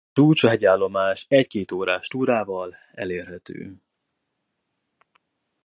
A két csúcs a hegyi állomásról egy-két órás túrával elérhető.